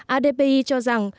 adpi cho rằng